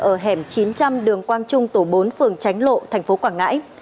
ở hẻm chín trăm linh đường quang trung tổ bốn phường tránh lộ thành phố quảng ngãi